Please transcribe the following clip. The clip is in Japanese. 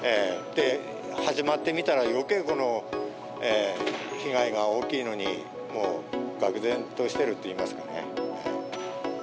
始まってみたら、よけい被害が大きいのに、もうがく然としているといいますかね。